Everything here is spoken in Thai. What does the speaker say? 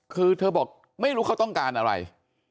คือเธอบอกไม่รู้เขาต้องการอะไร